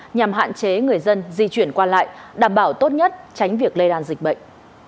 nhằm hạn chế người dân di chuyển qua lại đảm bảo tốt nhất tránh việc lây lan dịch bệnh